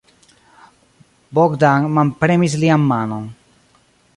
Bogdan manpremis lian manon.